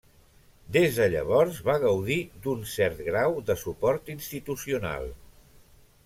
Des de llavors va gaudir d'un cert grau de suport institucional.